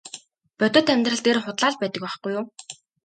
Бодит амьдрал дээр худлаа л байдаг байхгүй юу.